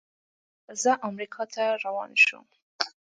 زه امریکا ته روان شوم.